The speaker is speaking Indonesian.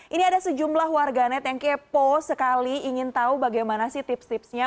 ini ada sejumlah warganet yang kepo sekali ingin tahu bagaimana sih tips tipsnya